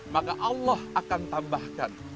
maka allah akan tambahkan